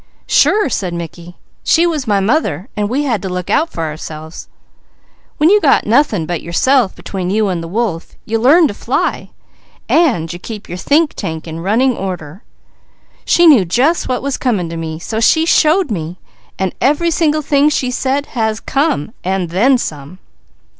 "Sure!" said Mickey. "She was my mother, so we had to look out for ourselves. When you got nothing but yourself between you and the wolf, you learn to fly, and keep your think tank in running order. She knew just what was coming to me, so She showed me, and _every single thing She said has come, and then some!